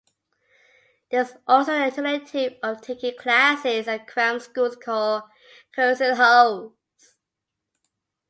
There is also the alternative of taking classes at cram schools called "cursinhos".